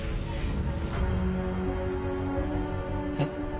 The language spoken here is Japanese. えっ？